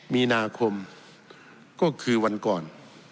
มีนาคมก็คือวันก่อน